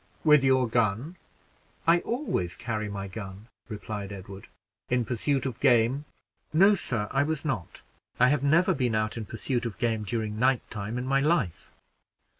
"With your gun?" "I always carry my gun," replied Edward. "In pursuit of game?" "No, sir; I was not. I have never been out in pursuit of game during night time in my life."